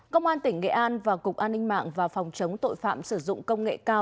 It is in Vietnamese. công an tỉnh nghệ an và cục an ninh mạng và phòng chống tội phạm sử dụng công nghệ cao